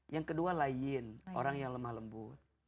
yang kedua layin orang yang lemah lembut